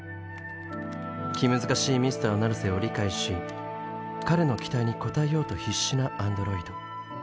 気難しいＭｒ．ナルセを理解し彼の期待に応えようと必死なアンドロイド。